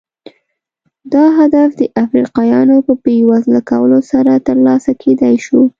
دا هدف د افریقایانو په بېوزله کولو سره ترلاسه کېدای شو.